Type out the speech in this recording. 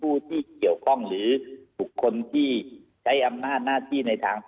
และก็สปอร์ตเรียนว่าคำน่าจะมีการล็อคกรมการสังขัดสปอร์ตเรื่องหน้าในวงการกีฬาประกอบสนับไทย